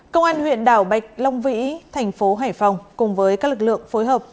công an huyện đảo bạch long vĩ thành phố hải phòng cùng với các lực lượng phối hợp